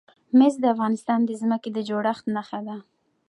مس د افغانستان د ځمکې د جوړښت نښه ده.